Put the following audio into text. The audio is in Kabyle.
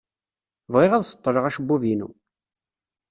Bɣiɣ ad seḍḍleɣ acebbub-inu.